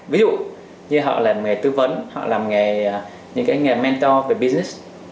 ví dụ như họ làm nghề tư vấn họ làm những cái nghề mentor về business